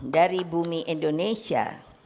dari bumi indonesia